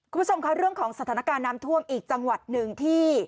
คุณผู้ชมค่ะเรื่องของสถานการณ์น้ำท่วมอีกจังหวัดหนึ่งที่